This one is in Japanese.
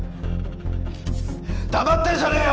黙ってんじゃねぇよ！